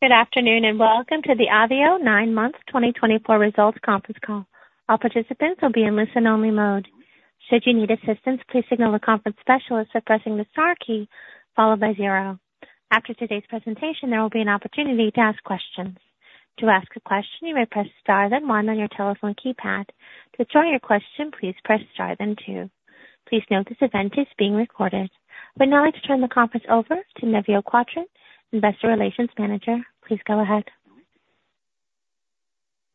Good afternoon and welcome to the Avio Nine-Month 2024 Results Conference Call. All participants will be in listen-only mode. Should you need assistance, please signal the conference specialist by pressing the star key followed by zero. After today's presentation, there will be an opportunity to ask questions. To ask a question, you may press star then one on your telephone keypad. To withdraw your question, please press star then two. Please note this event is being recorded. I would now like to turn the conference over to Nevio Quattrin, Investor Relations Manager. Please go ahead.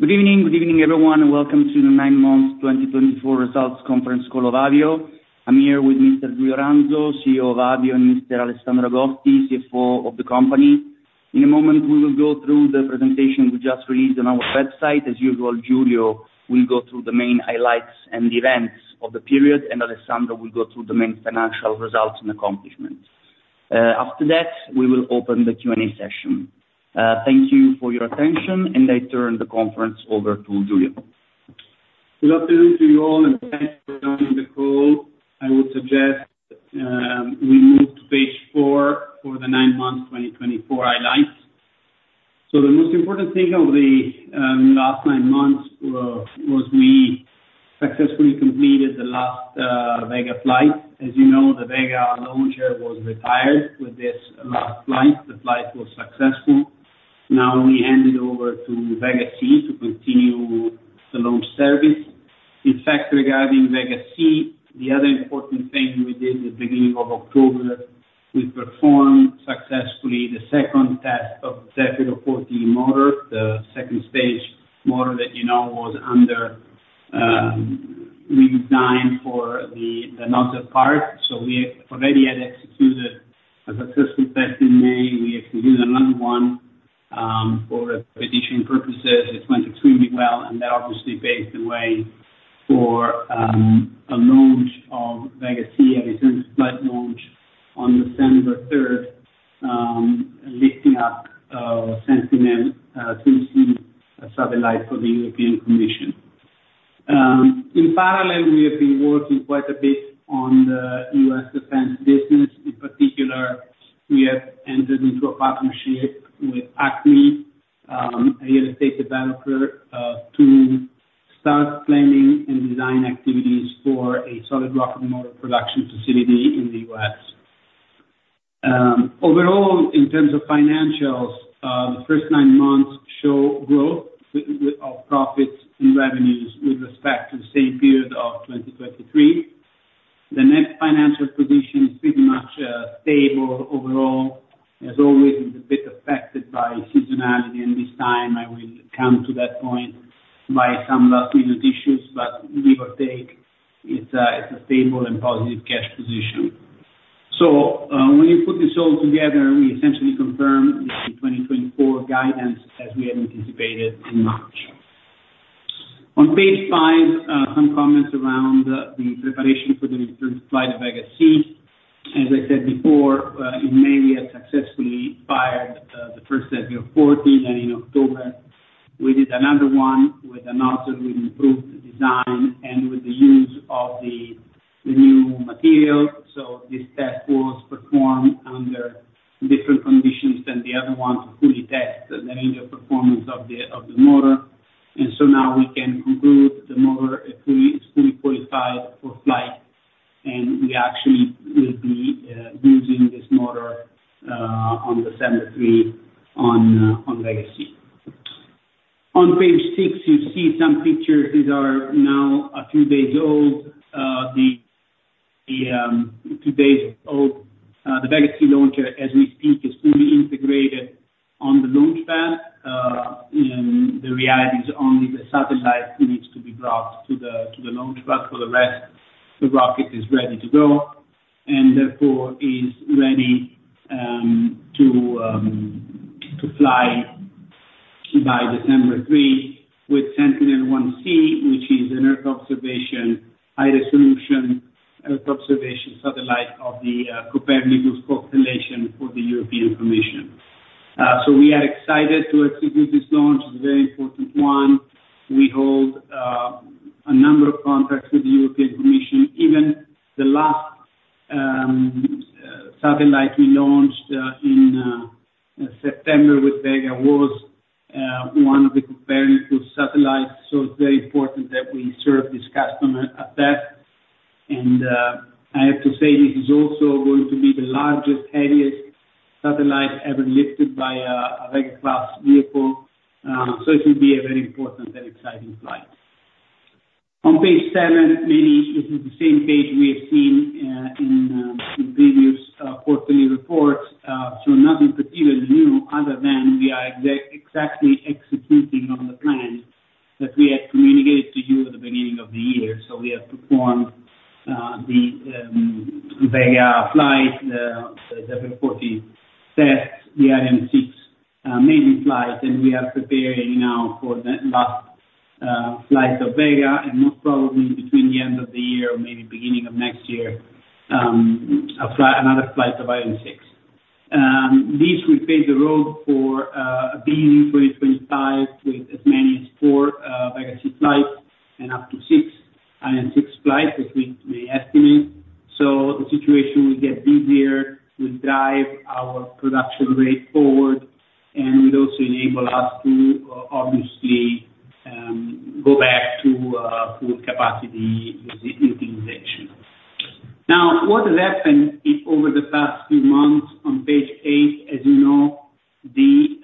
Good evening, good evening everyone, and welcome to the Nine-Month 2024 Results Conference Call Good afternoon to you all, and thank you for joining the call. I would suggest we move to page four for the nine-month 2024 highlights. The most important thing of the last nine months was we successfully completed the last Vega flight. As you know, the Vega launcher was retired with this last flight. The flight was successful. Now we hand it over to Vega C to continue the launch service. In fact, regarding Vega C, the other important thing we did at the beginning of October, we performed successfully the second test of the Zefiro 40 motors, the second stage motor that you know was under redesign for the NASA part. So we already had executed a successful test in May. We executed another one for repetition purposes. It went extremely well, and that obviously paved the way for a launch of Vega C, a return-to-flight launch on December 3rd, lifting up a Sentinel-2C satellite for the European Commission. In parallel, we have been working quite a bit on the U.S. defense business. In particular, we have entered into a partnership with ACMI, a real estate developer, to start planning and design activities for a solid rocket motor production facility in the U.S. Overall, in terms of financials, the first nine months show growth of profits and revenues with respect to the same period of 2023. The net financial position is pretty much stable overall. As always, it's a bit affected by seasonality, and this time I will come to that point by some last-minute issues, but give or take, it's a stable and positive cash position. So when you put this all together, we essentially confirm the 2024 guidance as we had anticipated in March. On page five, some comments around the preparation for the return-to-flight of Vega C. As I said before, in May, we had successfully fired the first Zefiro 40, and in October, we did another one with improved design and with the use of the new material. So this test was performed under different conditions than the other one to fully test the range of performance of the motor. And so now we can conclude the motor is fully qualified for flight, and we actually will be using this motor on December 3 on Vega C. On page six, you see some pictures. These are now a few days old. The two-day-old Vega C launcher, as we speak, is fully integrated on the launch pad. The reality is only the satellite needs to be brought to the launch pad. For the rest, the rocket is ready to go and therefore is ready to fly by December 3 with Sentinel-1C, which is an Earth observation, high-resolution Earth observation satellite of the Copernicus constellation for the European Commission. We are excited to execute this launch. It's a very important one. We hold a number of contracts with the European Commission. Even the last satellite we launched in September with Vega was one of the Copernicus satellites. It's very important that we serve this customer at best. I have to say this is also going to be the largest, heaviest satellite ever lifted by a Vega-class vehicle. It will be a very important and exciting flight. On page seven, this is the same page we have seen in previous quarterly reports. Nothing particularly new other than we are exactly executing on the plan that we had communicated to you at the beginning of the year. We have performed the Vega flight, the Zefiro 40 tests, the Ariane 6 maiden flight, and we are preparing now for the last flight of Vega and most probably between the end of the year or maybe beginning of next year, another flight of Ariane 6. These will pave the road for a busy 2025 with as many as four Vega C flights and up to six Ariane 6 flights, as we may estimate. So the situation will get busier, will drive our production rate forward, and will also enable us to obviously go back to full capacity utilization. Now, what has happened over the past few months? On page eight, as you know, the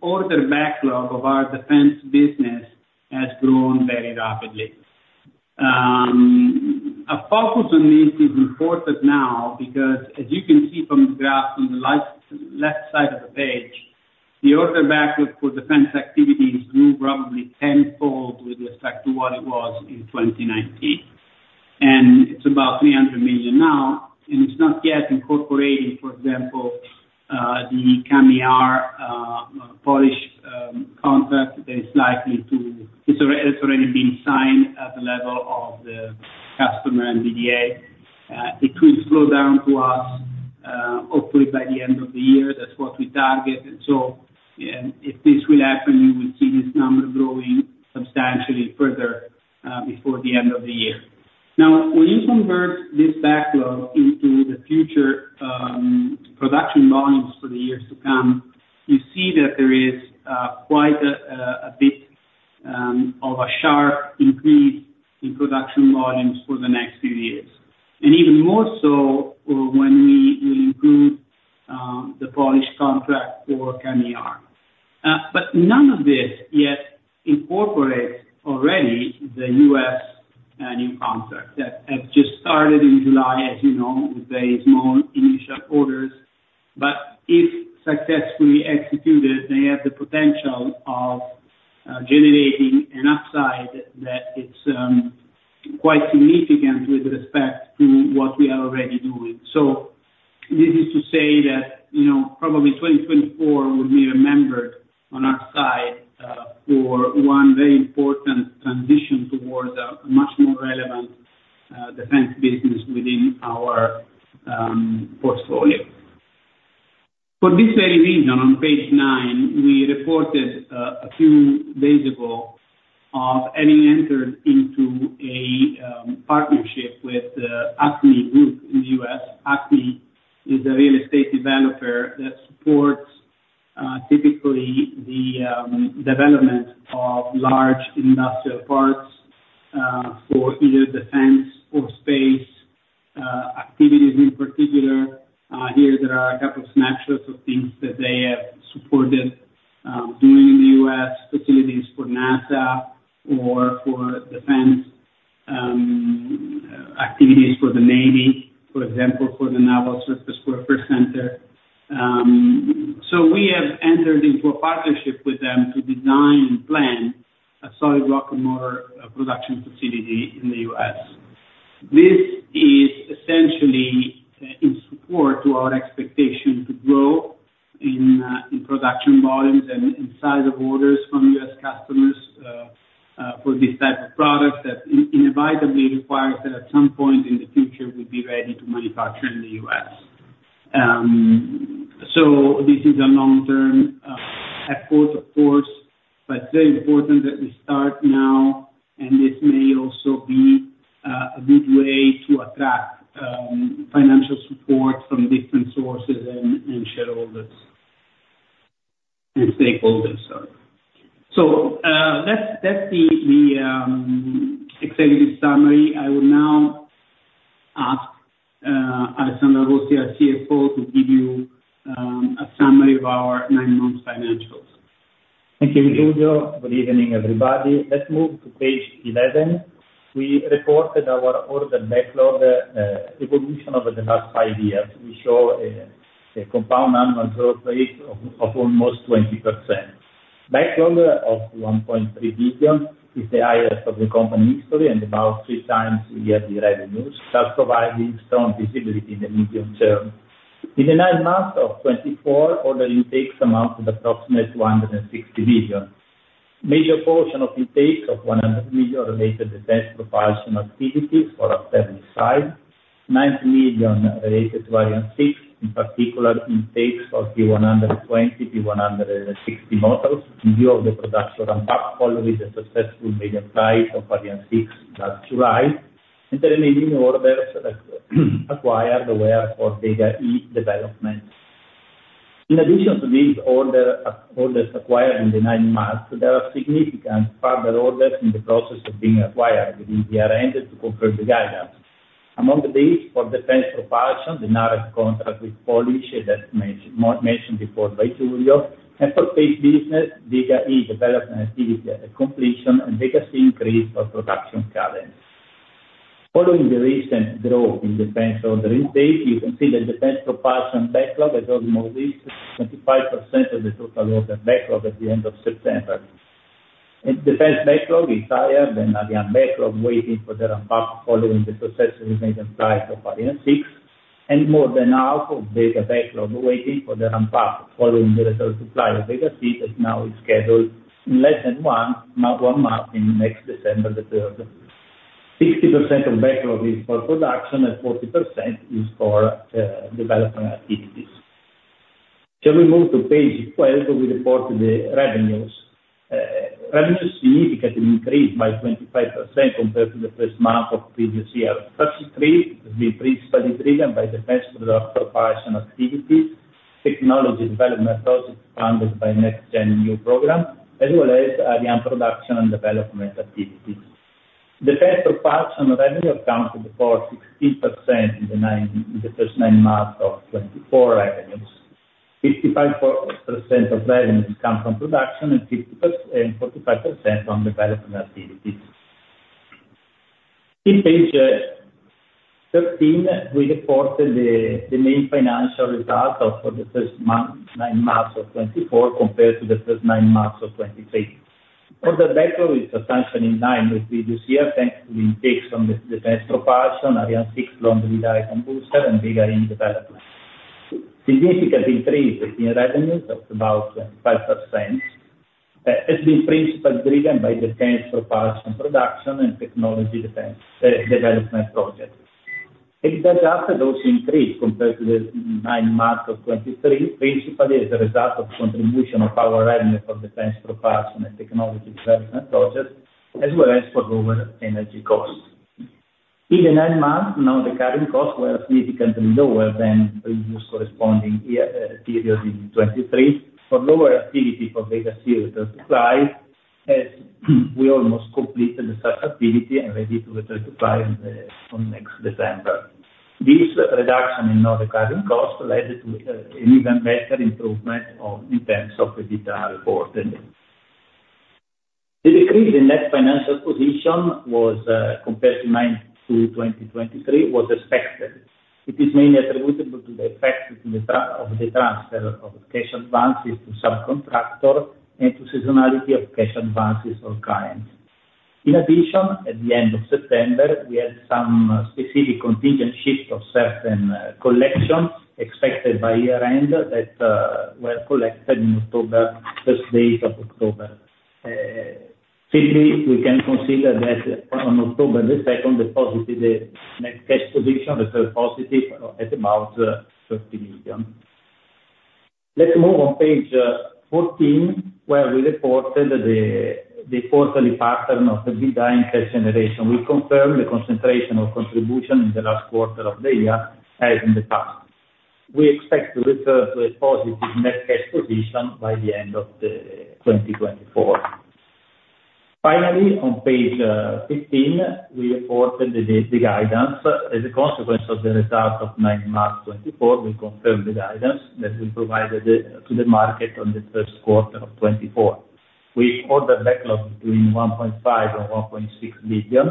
order backlog of our defense business has grown very rapidly. A focus on this is important now because, as you can see from the graph on the left side of the page, the order backlog for defense activities grew probably tenfold with respect to what it was in 2019. And it's about 300 million now, and it's not yet incorporating, for example, the CAMM-ER Polish contract that is likely to, it's already been signed at the level of the customer and MBDA. It will flow down to us, hopefully by the end of the year. That's what we target. And so if this will happen, you will see this number growing substantially further before the end of the year. Now, when you convert this backlog into the future production volumes for the years to come, you see that there is quite a bit of a sharp increase in production volumes for the next few years, and even more so when we will include the Polish contract for CAMM-ER. But none of this yet incorporates already the U.S. new contract that has just started in July, as you know, with very small initial orders. But if successfully executed, they have the potential of generating an upside that is quite significant with respect to what we are already doing. So this is to say that probably 2024 will be remembered on our side for one very important transition towards a much more relevant defense business within our portfolio. For this very reason, on page nine, we reported a few days ago of having entered into a partnership with the ACMI Group in the U.S. ACMI is a real estate developer that supports typically the development of large industrial parks for either defense or space activities. In particular, here there are a couple of snapshots of things that they have supported doing in the U.S. facilities for NASA or for defense activities for the Navy, for example, for the Naval Surface Warfare Center. So we have entered into a partnership with them to design and plan a solid rocket motor production facility in the U.S. This is essentially in support to our expectation to grow in production volumes and size of orders from U.S. customers for this type of product that inevitably requires that at some point in the future we be ready to manufacture in the U.S. So this is a long-term effort, of course, but it's very important that we start now, and this may also be a good way to attract financial support from different sources and shareholders and stakeholders. So that's the executive summary. I will now ask Alessandro Agosti, our CFO, to give you a summary of our nine-month financials. Thank you, Giulio. Good evening, everybody. Let's move to page 11. We reported our order backlog evolution over the last five years. We show a compound annual growth rate of almost 20%. Backlog of 1.3 billion is the highest of the company history and about three times the yearly revenues, thus providing strong visibility in the medium term. In the nine months of 2024, order intakes amounted to approximately 260 million. A major portion of intakes of 100 million related to defense propulsion activities for Aster, 90 million related to Ariane 6, in particular intakes of P120, P160 motors, in view of the production ramp-up following the successful maiden flight of Ariane 6 last July, and the remaining orders acquired were for Vega E development. In addition to these orders acquired in the nine months, there are significant further orders in the process of being acquired within the year ended to confirm the guidance. Among these, for defense propulsion, the new contract with Poland, as mentioned before by Giulio, and for space business, Vega E development activity at completion and Vega C increase for production cadence. Following the recent growth in defense order intake, you can see that defense propulsion backlog has almost reached 25% of the total order backlog at the end of September. Defense backlog is higher than Ariane backlog waiting for the ramp-up following the successful maiden flight of Ariane 6, and more than half of Vega backlog waiting for the ramp-up following the return-to-flight of Vega C that now is scheduled in less than one month in next December the 3rd. 60% of backlog is for production and 40% is for development activities. Shall we move to page 12, where we report the revenues? Revenues significantly increased by 25% compared to the first nine months of previous year. Such increase has been principally driven by defense propulsion activities, technology development projects funded by NextGenerationEU program, as well as SRM production and development activities. Defense propulsion revenues accounted for 16% in the first nine months of 2024 revenues. 55% of revenues come from production and 45% from development activities. On page 13, we reported the main financial results for the first nine months of 2024 compared to the first nine months of 2023. Order backlog is substantially in line with previous year thanks to the intakes from defense propulsion, Ariane 6 launch vehicle booster, and big SRM development. Significant increase in revenues of about 25% has been principally driven by defense propulsion production and technology development projects. EBITDA Reported increased compared to the nine months of 2023, principally as a result of contribution of our revenue for defense propulsion and technology development projects, as well as for lower energy costs. In the nine months, non-recurring costs were significantly lower than previous corresponding period in 2023 for lower activity for Vega C return-to-flight, as we almost completed the such activity and ready to return-to-flight on next December. This reduction in non-recurring costs led to an even better improvement in terms of EBITDA reported. The decrease in net financial position compared to 2023 was expected. It is mainly attributable to the effect of the transfer of cash advances to subcontractors and to seasonality of cash advances for clients. In addition, at the end of September, we had some specific contingent shift of certain collections expected by year-end that were collected in October, first days of October. Simply, we can consider that on October the 2nd, the positive net cash position returned positive at about 30 million. Let's move on page 14, where we reported the quarterly pattern of EBITDA in cash generation. We confirmed the concentration of contribution in the last quarter of the year as in the past. We expect to return to a positive net cash position by the end of 2024. Finally, on page 15, we reported the guidance. As a consequence of the result of 9 Months 2024, we confirmed the guidance that we provided to the market on the first quarter of 2024. With order backlog between 1.5 and 1.6 billion,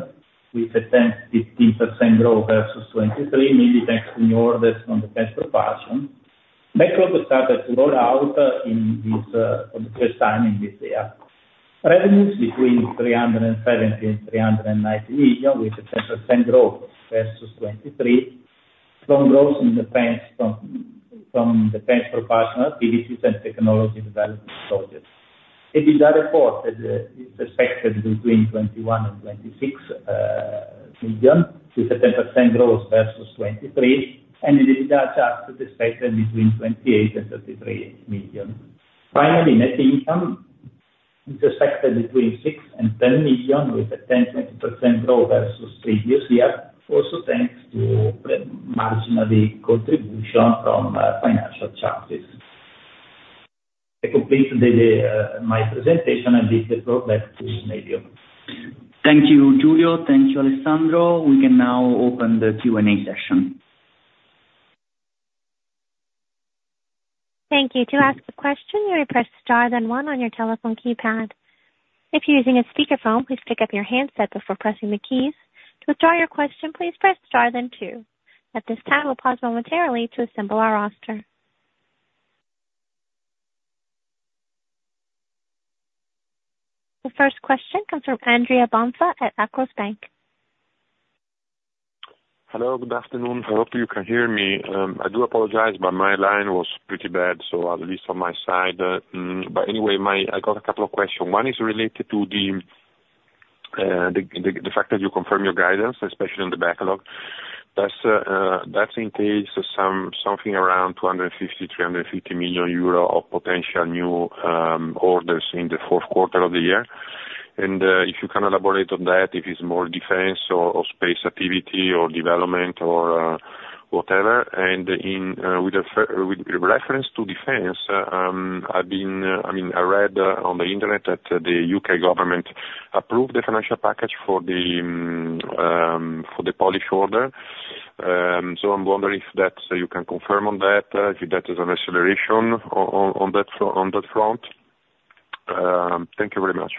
with estimated 15% growth versus 2023, mainly thanks to new orders from defense propulsion. Backlog started to roll out for the first time in this year. Revenues between 370 and 390 million, with a 10% growth versus 2023, from growth in defense from defense propulsion activities and technology development projects. EBITDA reported is expected between 21 and 26 million, with a 10% growth versus 2023, and Adjusted EBITDA expected between 28 and 33 million. Finally, net income is expected between 6 and 10 million, with a 10-20% growth versus previous year, also thanks to marginal contribution from financial charges. I completed my presentation, and this is brought back to the meeting. Thank you, Giulio. Thank you, Alessandro. We can now open the Q&A session. Thank you. To ask a question, you may press star then one on your telephone keypad. If you're using a speakerphone, please pick up your handset before pressing the keys. To withdraw your question, please press star then two. At this time, we'll pause momentarily to assemble our roster. The first question comes from Andrea Bonfa at Banca Akros. Hello, good afternoon. I hope you can hear me. I do apologize, but my line was pretty bad, so at least on my side. But anyway, I got a couple of questions. One is related to the fact that you confirmed your guidance, especially on the backlog. That's in case of something around 250-350 million euro of potential new orders in the fourth quarter of the year. And if you can elaborate on that, if it's more defense or space activity or development or whatever. And with reference to defense, I mean, I read on the internet that the U.K. government approved the financial package for the Polish order. So I'm wondering if you can confirm on that, if that is an acceleration on that front. Thank you very much.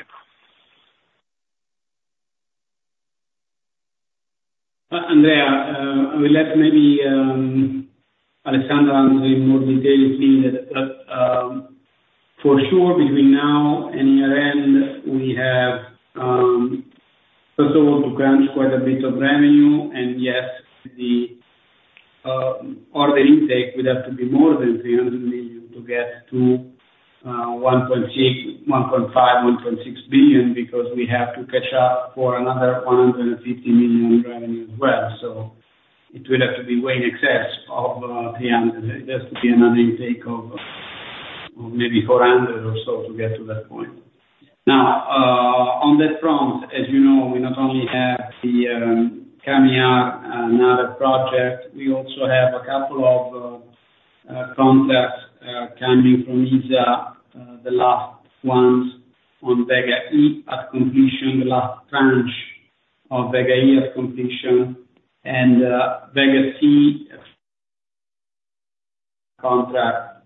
Andrea, I will let maybe Alessandro answer in more detail if needed. But for sure, between now and year-end, we have, first of all, to crunch quite a bit of revenue. And yes, the order intake would have to be more than 300 million to get to 1.5 billion-1.6 billion, because we have to catch up for another 150 million revenue as well. So it would have to be way in excess of 300 million. It has to be another intake of maybe 400 million or so to get to that point. Now, on that front, as you know, we not only have the CAMM-ER and other projects. We also have a couple of contracts coming from ESA, the last ones on Vega E at completion, the last tranche of Vega E at completion, and Vega C contract,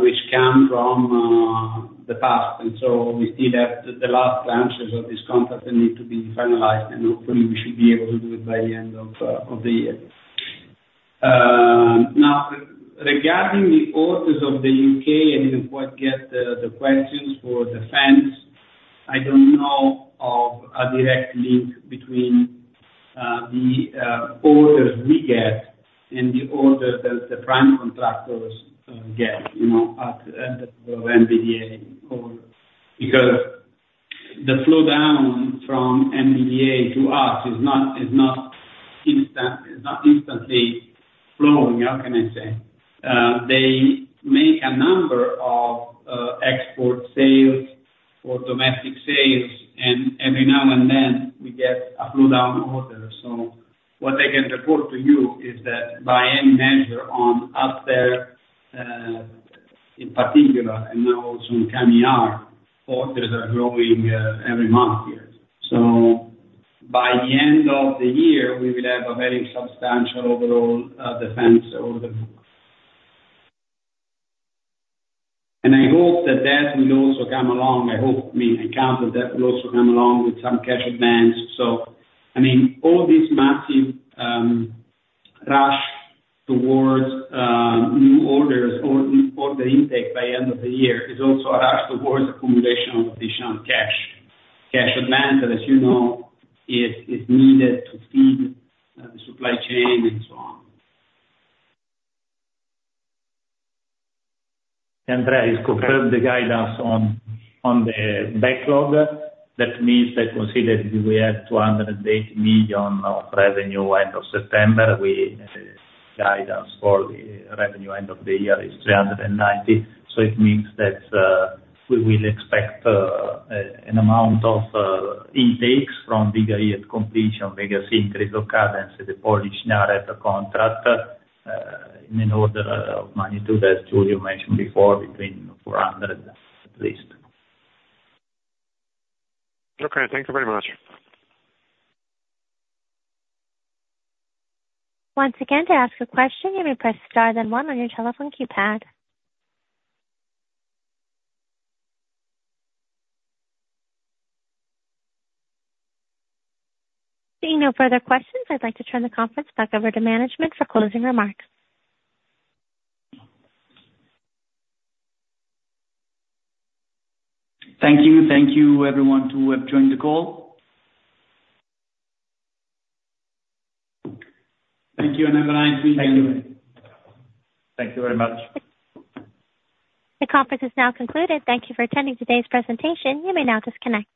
which come from the past. And so we still have the last tranches of this contract that need to be finalized, and hopefully we should be able to do it by the end of the year. Now, regarding the orders of the UK, I didn't quite get the questions for defense. I don't know of a direct link between the orders we get and the orders that the prime contractors get at the level of MBDA, because the flow down from MBDA to us is not instantly flowing, how can I say? They make a number of export sales for domestic sales, and every now and then we get a flow down order. So what I can report to you is that by any measure on Aster in particular, and now also in CAMM-ER, orders are growing every month here. By the end of the year, we will have a very substantial overall defense order book. And I hope that that will also come along. I hope, I mean, I count that that will also come along with some cash advance. So, I mean, all this massive rush towards new orders or order intake by the end of the year is also a rush towards accumulation of additional cash. Cash advance, as you know, is needed to feed the supply chain and so on. Andrea, you confirmed the guidance on the backlog. That means that considering we had 280 million of revenue end of September, our guidance for the revenue end of the year is 390 million. So it means that we will expect an amount of order intakes from Vega E at completion, Vega C increase of cadence, and the Polish CAMM-ER contract in an order of magnitude, as Giulio mentioned before, between 400 million at least. Okay, thank you very much. Once again, to ask a question, you may press star then one on your telephone keypad. Seeing no further questions, I'd like to turn the conference back over to management for closing remarks. Thank you. Thank you, everyone who have joined the call. Thank you and have a nice weekend. Thank you. Thank you very much. The conference is now concluded. Thank you for attending today's presentation. You may now disconnect.